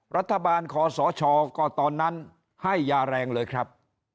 รัฐบาลคอสชก็ตอนนั้นให้ยาแรงเลยครับ